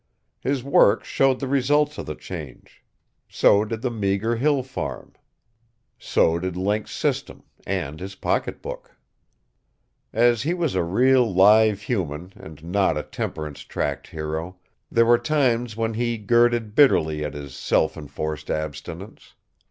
His work showed the results of the change. So did the meager hill farm. So did Link's system and his pocketbook. As he was a real, live human and not a temperance tract hero, there were times when he girded bitterly at his self enforced abstinence.